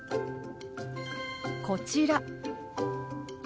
こちら。